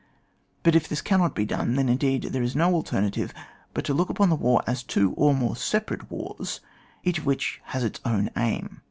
But if this cannot be done, then indeed there is no alternative but to look upon the war as two or more separate wars^ each of which has its own aim.